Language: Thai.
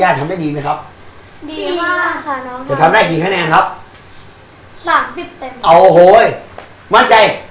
ว่าไงมั่นใจเดี๋ยวเราไปดูคะแนนกัน